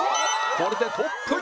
これでトップに！